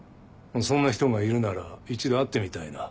そんな人がいるなら一度会ってみたいな。